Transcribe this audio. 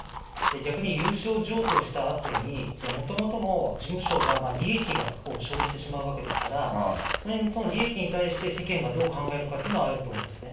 逆に有償譲渡したあとに、じゃあ、もともとの事務所が利益が生じてしまうわけですから、その利益に対して世間はどう考えるかっていうのは、あると思うんですね。